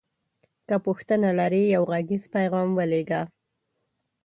که پوښتنه لری یو غږیز پیغام ولیږه